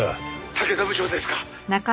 「竹田部長ですか！」